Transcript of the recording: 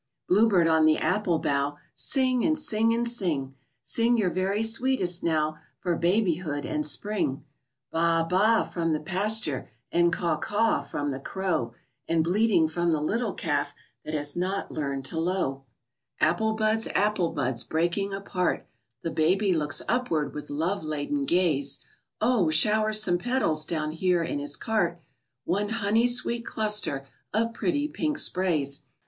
Bluebird on the apple bough, Sing and sing and sing! Sing your very sweetest now For babyhood and spring! "Bah! Bah!" from the pasture, And "Caw! Caw!" from the crow, And bleating from the little calf That has not learned to low. Apple buds, apple buds breaking apart, The baby looks upward with love laden gaze; Oh, shower some petals down here in his cart, One honey sweet cluster of pretty pink sprays!